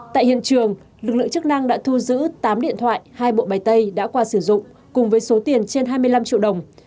tại hiện trường lực lượng chức năng đã thu giữ tám điện thoại hai bộ bày tay đã qua sử dụng cùng với số tiền trên hai mươi năm triệu đồng